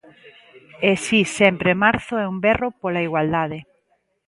E si, Sempre Marzo é un berro pola igualdade.